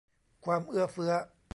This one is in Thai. ความเอื้อเฟื้อ